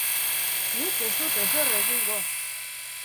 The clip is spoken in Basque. Nik ez dut ezer egingo!